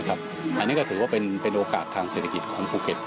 อันนี้ก็ถือว่าเป็นโอกาสทางเศรษฐกิจของภูเก็ต